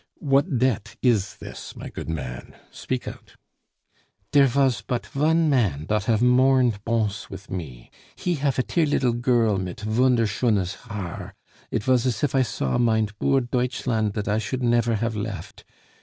What debt is this, my good man? Speak out." "Dere vas but von mann dot haf mourned Bons mit me.... He haf a tear liddle girl mit wunderschones haar; it vas as if I saw mein boor Deutschland dot I should nefer haf left....